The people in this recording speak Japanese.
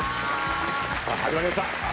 気始まりました。